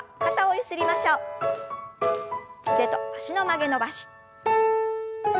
腕と脚の曲げ伸ばし。